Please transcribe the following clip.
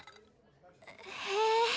へえ。